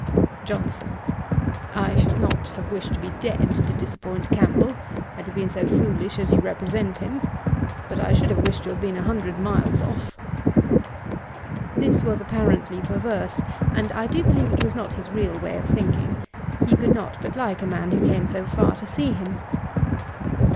JOHNSON. 'I should not have wished to be dead to disappoint Campbell, had he been so foolish as you represent him; but I should have wished to have been a hundred miles off.' This was apparently perverse; and I do believe it was not his real way of thinking: he could not but like a man who came so far to see him.